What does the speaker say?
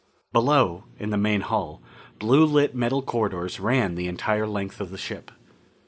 Below, in the main hull, blue lit metal corridors ran the entire length of the ship.